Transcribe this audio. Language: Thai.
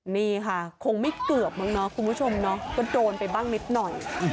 นี่ค่ะคงไม่เกือบมั้งเนาะคุณผู้ชมเนาะก็โดนไปบ้างนิดหน่อย